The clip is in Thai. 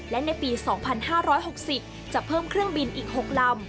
และในปี๒๕๖๐จะเพิ่มเครื่องบินอีก๖ลำ